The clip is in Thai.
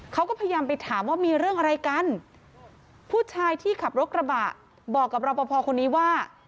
เขาก็พยายามไปถามว่ามีเรื่องอะไรกันผู้ชายที่ขับรถกระบะบอกกับรอปภคนนี้ว่า